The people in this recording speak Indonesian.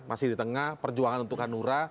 masih di tengah perjuangan untuk hanura